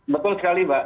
betul sekali mbak